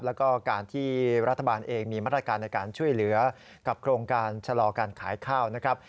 แล้วก็การที่รัฐบาลเองมีมาตรการในการช่วยเหลือกับโครงการชะลอการขายข้าวนะครับ